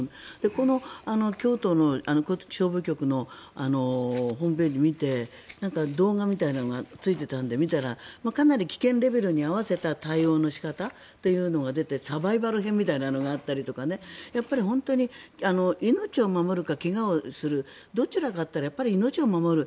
この京都の消防局のホームページを見て動画みたいなのがついてたので見てみたらかなり危険レベルに合わせた対応の仕方というのが出ていてサバイバル編みたいなのがあったりとか命を守るか怪我をするどちらかといったらやっぱり命を守る。